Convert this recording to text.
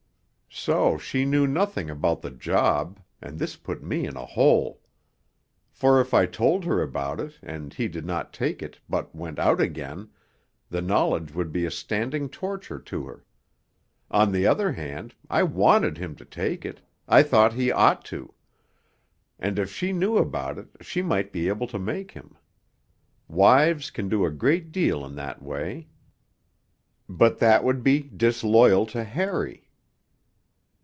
So she knew nothing about the 'job'; and this put me in a hole. For if I told her about it, and he did not take it, but went out again, the knowledge would be a standing torture to her. On the other hand, I wanted him to take it, I thought he ought to and if she knew about it she might be able to make him. Wives can do a great deal in that way. But that would be disloyal to Harry....